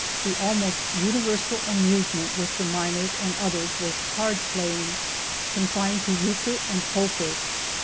The almost universal amusement with the miners and others was card playing, confined to euchre and poker.